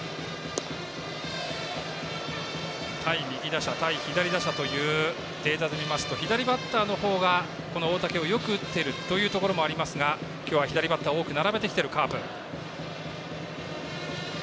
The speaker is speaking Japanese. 対右打者、対左者というデータで見ますと左バッターの方が大竹をよく打っているというところもありますが今日は左バッターを多く並べてきているカープ。